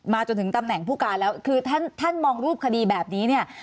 จนถึงตำแหน่งผู้การแล้วคือท่านมองรูปคดีแบบนี้เนี่ย